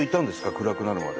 暗くなるまで。